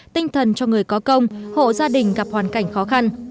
tinh thần cho người có công hộ gia đình gặp hoàn cảnh khó khăn